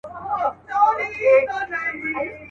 نه نجلۍ یې له فقیره سوای غوښتلای.